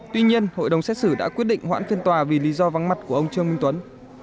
tuy nhiên hội đồng xét xử đã quyết định hoãn phiên tòa vì lý do vắng mặt của ông trương minh tuấn